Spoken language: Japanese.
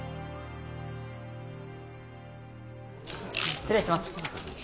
失礼します。